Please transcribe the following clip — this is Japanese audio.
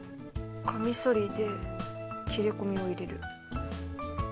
カミソリで切れ込みを入れる。